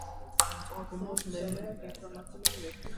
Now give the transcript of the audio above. Ծագումով լեհ է։